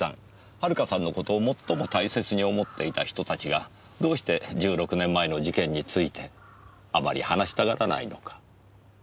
遥さんの事を最も大切に思っていた人たちがどうして１６年前の事件についてあまり話したがらないのか。